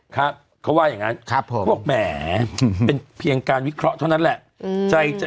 ครับเขาว่าอย่างนั้นเขาบอกแหมเป็นเพียงการวิเคราะห์เท่านั้นแหละ